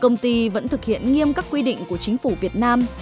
công ty vẫn thực hiện nghiêm các quy định của chính phủ việt nam